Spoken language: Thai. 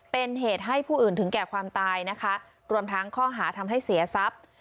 เป็นเหตุให้ผู้อื่นถึงแก่ความตายนะคะรวมทั้งข้อหาทำให้เสียทรัพย์